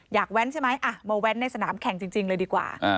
แว้นใช่ไหมมาแว้นในสนามแข่งจริงเลยดีกว่า